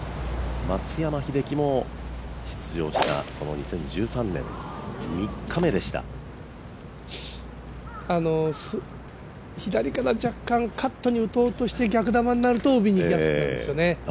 松山英樹も出場したこの２０１３年左から若干カットに打とうとして逆球になるとＯＢにいきやすくなるんですよね。